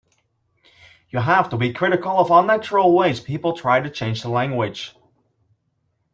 You have to be critical of unnatural ways people try to change the language.